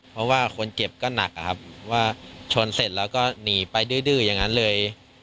เพราะว่าคนเจ็บก็หนักอะครับว่าชนเสร็จแล้วก็หนีไปดื้ออย่างนั้นเลย